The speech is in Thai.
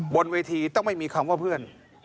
บนเวทีต้องไม่มีคำว่าเพื่อน